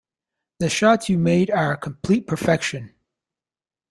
The shots you made are complete perfection.